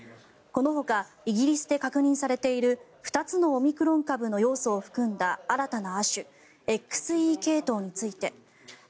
このほかイギリスで確認されている２つのオミクロン株の要素を含んだ新たな亜種ＸＥ系統についてＢＡ